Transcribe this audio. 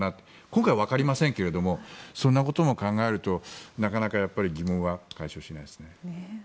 今回はわかりませんがそんなことも考えるとなかなか疑問は解消しないですね。